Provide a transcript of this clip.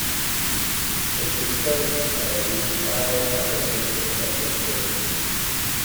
The Cousteau Society filed a counter-suit for defective work.